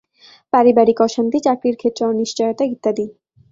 পারিবারিক অশান্তি, চাকরির ক্ষেত্রে অনিশ্চয়তা ইত্যাদি।